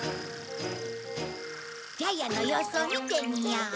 ジャイアンの様子を見てみよう。